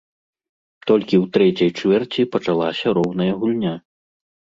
Толькі ў трэцяй чвэрці пачалася роўная гульня.